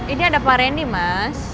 ini ada pak rendy mas